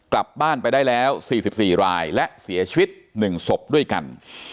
กลับบ้านไปได้แล้ว๔๔รายและเสียชีวิต๑ศพด้วยกัน